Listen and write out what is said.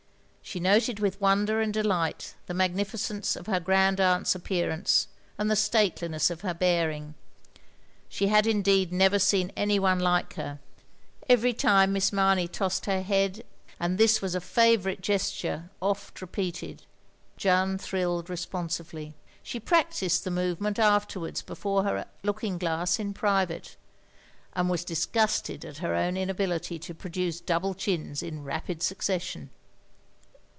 She noted with wonder and delight the magnificence of her grand aunt's appearance, and the stateliness of her bearing. She had indeed never seen any one like her; every time Miss Mamey tossed her head. lo THE LONELY LADY and this was a favourite gesttire oft repeated, Jeanne thrilled responsively. She practised the movement afterwards before her looking glass in private, and was disgusted at her own inability to produce double chins in rapid succession.